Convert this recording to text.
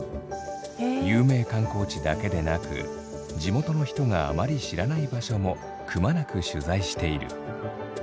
有名観光地だけでなく地元の人があまり知らない場所もくまなく取材している。